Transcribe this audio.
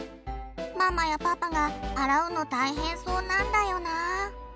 ママやパパが洗うの大変そうなんだよな。